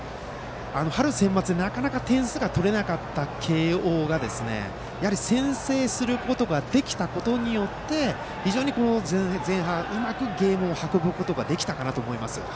春センバツで、なかなか点数が取れなかった慶応が先制することができたことによって非常に前半うまくゲームを運ぶことができたかなと思います。